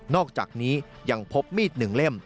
อกจากนี้ยังพบมีด๑เล่ม